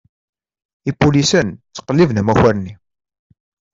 Ipulisen ttqelliben amakar-nni.